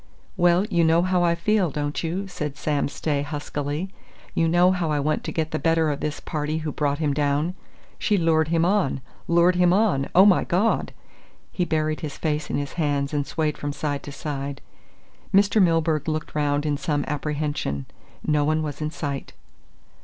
"Well, you know how I feel, don't you?" said Sam Stay huskily. "You know how I want to get the better of this party who brought him down. She lured him on lured him on oh, my God!" He buried his face in his hands and swayed from side to side. Mr. Milburgh looked round in some apprehension. No one was in sight.